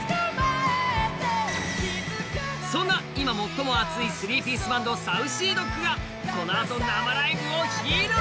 そんな、今最も熱いスリーピースバンド、ＳａｕｃｙＤｏｇがこのあと、生ライブを披露！